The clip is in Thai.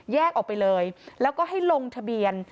ออกไปเลยแล้วก็ให้ลงทะเบียน